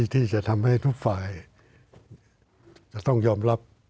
ที่จะทำให้ทุกฝ่ายจะต้องยอมรับ